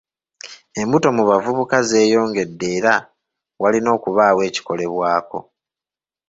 Embuto mu bavbuka zeeyongedde era walina okubaawo ekikikolebwako.